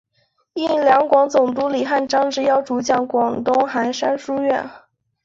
应两广总督李瀚章之邀主讲广东韩山书院。